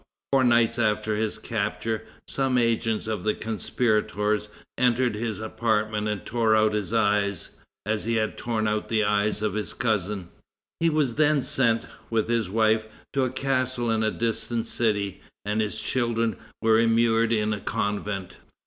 Four nights after his capture, some agents of the conspirators entered his apartment and tore out his eyes, as he had torn out the eyes of his cousin. He was then sent, with his wife, to a castle in a distant city, and his children were immured in a convent.